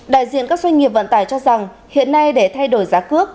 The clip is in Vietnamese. đại diện các doanh nghiệp vận tải cho rằng hiện nay để thay đổi giá cước